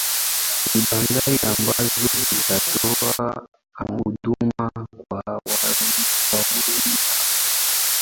Ni bandari ambazo zitatoa huduma kwa wavuvi na kuchangia kukuza uchumi wa Zanzibar